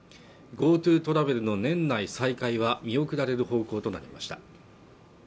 ＧｏＴｏトラベルの年内再開は見送られる方向となりました